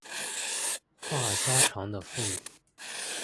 话家常的妇女